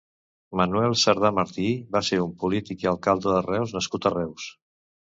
Manuel Sardà Martí va ser un polític i alcalde de Reus nascut a Reus.